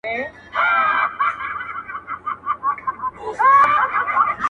په اور دي وسوځم، په اور مي مه سوځوه~